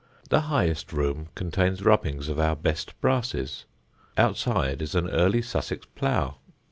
The highest room contains rubbings of our best brasses. Outside is an early Sussex plough.